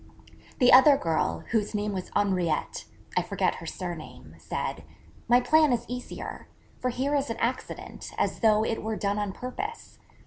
The other girl, whose name was Henriette I forget her surname said, 'My plan is easier: for here is an accident, as though it were done on purpose.